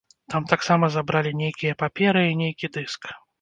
Там таксама забралі нейкія паперы і нейкі дыск.